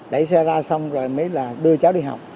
đẩy xe ra xong rồi mới là đưa cháu đi học